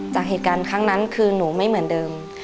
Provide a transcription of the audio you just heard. จากเหตุการณ์ครั้งนั้นคือหนูไม่เหมือนเดิม